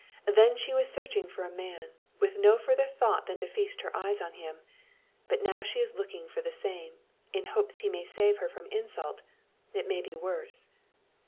Then she was searching for a man, with no further thought than to feast her eyes on him; now she is looking for the same, in hopes he may save her from insult it may be worse.